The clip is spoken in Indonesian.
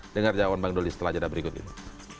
dengar jawaban bang doli setelah jeda berikut ini